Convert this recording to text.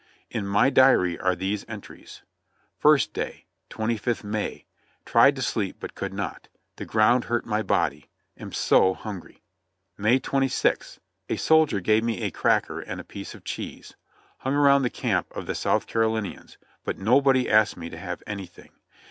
In my diary are these entries: ''First day, 25th May. Tried to sleep but could not ;• the ground hurt my body. Am so hungry !" "May 26th. A soldier gave me a cracker and a piece of cheese. Hung around the camp of the South Carolinians, but nobody asked me to have anything.